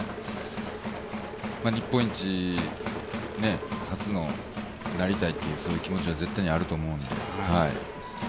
日本一、初のなりたいという気持ちは絶対にあると思うので。